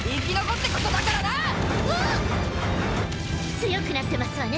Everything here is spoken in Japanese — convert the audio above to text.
強くなってますわね